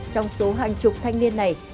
trong số hàng trục thanh niên này